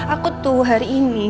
aku tuh hari ini